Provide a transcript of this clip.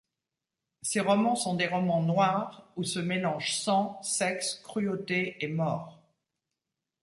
Ses romans sont des romans noirs où se mélangent sang, sexe, cruauté et mort.